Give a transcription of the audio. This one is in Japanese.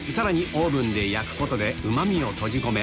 オーブンで焼くことでうまみを閉じ込め